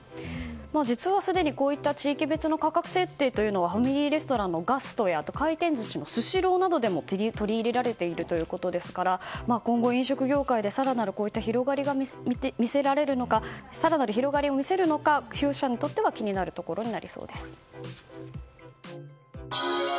実は、すでにこういった地域別の価格設定はファミリーレストランのガストや回転寿司のスシローでも取り入れられているということで今後、飲食業界で更なる広がりを見せるのか消費者にとっては気になるところとなりそうです。